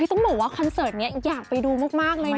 ต้องบอกว่าคอนเสิร์ตนี้อยากไปดูมากเลยนะ